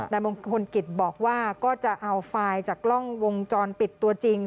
มงคลกิจบอกว่าก็จะเอาไฟล์จากกล้องวงจรปิดตัวจริง